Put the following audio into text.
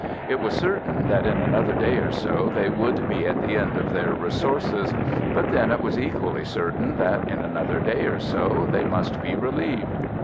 It was certain that in another day or so they would be at the end of their resources, but then it was equally certain that in another day or so they must be relieved.